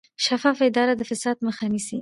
شفافه اداره د فساد مخه نیسي